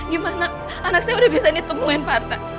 gimana anak saya udah bisa ditemuin pak rt